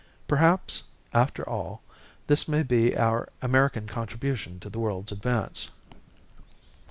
Perhaps, after all, this may be our American contribution to the world's advance.